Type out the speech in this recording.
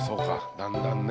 だんだんね。